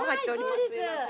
すみません。